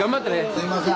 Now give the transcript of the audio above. すいません。